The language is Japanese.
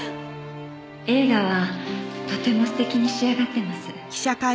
映画はとても素敵に仕上がってます。